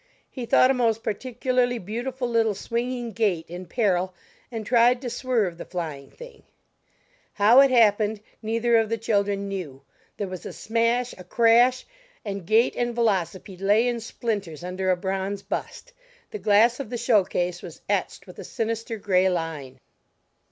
He thought a most particularly beautiful little swinging gate in peril and tried to swerve the flying thing; how it happened, neither of the children knew; there was a smash, a crash, and gate and velocipede lay in splinters under a bronze bust. The glass of the show case was etched with a sinister gray line.